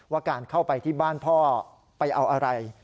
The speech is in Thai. ว่าการเข้าไปที่บ้านพ่อไปเอาอะไร